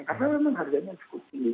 karena memang harganya cukup tinggi